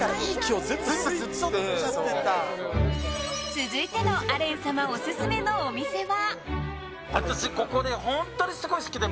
続いてのアレン様オススメのお店は。